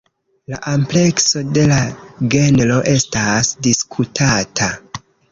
La amplekso de la genro estas diskutata.